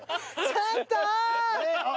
ちょっと！